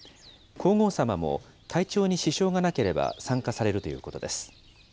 皇后さまも体調に支障がなければ参加されるということです。